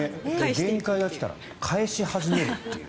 限界が来たら返し始めるという。